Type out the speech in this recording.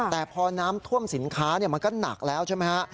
แต่พอน้ำท่วมสินค้ามันก็หนักแล้วใช่ไหมฮะ